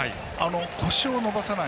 腰を伸ばさない